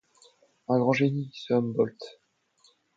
Un grand génie, ce Humboldt!